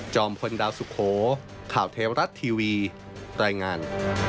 พลดาวสุโขข่าวเทวรัฐทีวีรายงาน